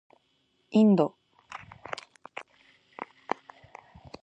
インド